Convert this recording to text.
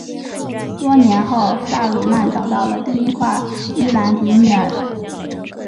多年后萨鲁曼找到了第一块伊兰迪米尔。